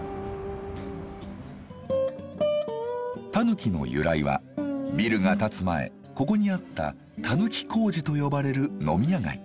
タヌキの由来はビルが建つ前ここにあった「狸小路」と呼ばれる飲み屋街。